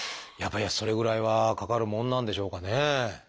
やっぱりそれぐらいはかかるもんなんでしょうかね。